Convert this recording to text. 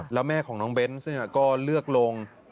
แล้วแม่ของน้องเบนส์ก็เลือกลง